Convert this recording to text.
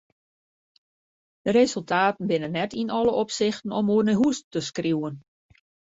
De resultaten binne net yn alle opsichten om oer nei hús te skriuwen.